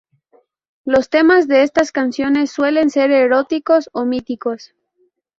Los temas de estas canciones suelen ser eróticos o míticos.